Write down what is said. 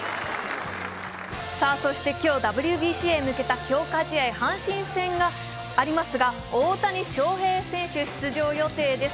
そして今日、ＷＢＣへ向けた強化試合、阪神戦がありますが、大谷翔平選手出場予定です。